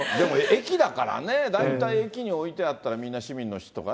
駅だからね、大体駅に置いてあったら、みんな市民の人がね。